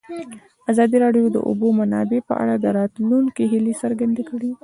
ازادي راډیو د د اوبو منابع په اړه د راتلونکي هیلې څرګندې کړې.